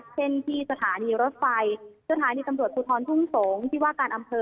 เช่นที่สถานีรถไฟสถานีกำโดสภูทรทุ่งสงฆ์ภิวาคันอำเภอ